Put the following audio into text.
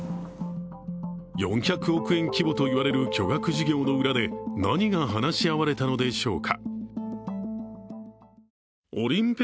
４００億円規模と言われる巨額事業の裏で何が話し合われたのでしょうか。